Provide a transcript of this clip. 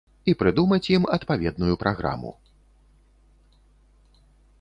І прыдумаць ім адпаведную праграму.